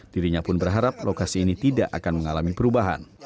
dirinya pun berharap lokasi ini tidak akan mengalami perubahan